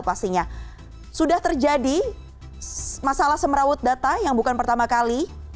pastinya sudah terjadi masalah semerawut data yang bukan pertama kali